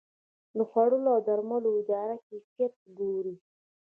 د خوړو او درملو اداره کیفیت ګوري